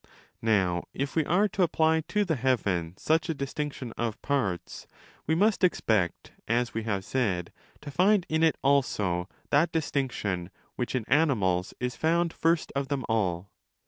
Now if we are to apply to the heaven such a distinction of parts, we must expect, as we have said, to find in it also that distinction which in animals is found first of them all.